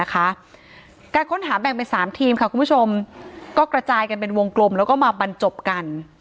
การค้นหาแบ่งเป็น๓ทีมค่ะคุณผู้ชมก็กระจายกันเป็นวงกลมแล้วก็มาบรรจบกัน